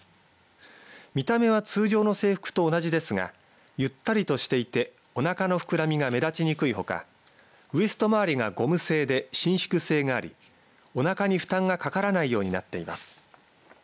見た目は通常の制服と同じですがゆったりとしていて、おなかの膨らみが目立ちにくいほかウエスト回りがゴム製で伸縮性がありおなかに負担がかからないようになっています。